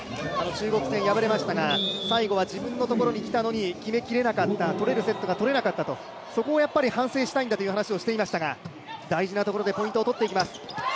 中国戦、敗れましたが、最後は自分のところに来たのに、決めきれなかった、取れるセットが取れなかったと、そこをやっぱり反省したいんだという話をしていましたが大事なところでポイントを取っていきます。